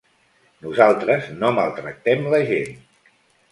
Nosaltres no maltractem la gent.